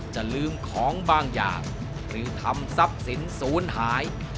จะลืมของบางอย่างหรือทำทรัพย์สินศูนย์หาย